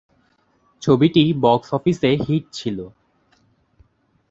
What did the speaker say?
ছবিটি বক্স অফিসে হিট ছিল।